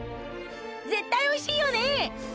絶対おいしいよね！